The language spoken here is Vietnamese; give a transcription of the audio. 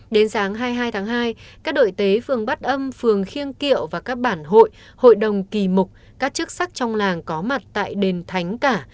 đến sáng hai mươi hai tháng hai các đội tế phường bát âm phường khiêng kiệu và các bản hội hội đồng kỳ mục các chức sắc trong làng có mặt tại đền thánh cả